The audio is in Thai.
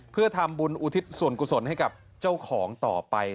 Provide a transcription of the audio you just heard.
เพื่อทำบุญอุทิศส่วนกุศลให้กับเจ้าของต่อไป